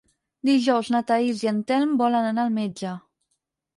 Dijous na Thaís i en Telm volen anar al metge.